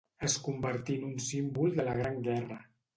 Es convertí en un símbol de la Gran Guerra.